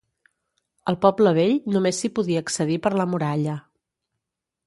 Al poble vell només s'hi podia accedir per la muralla.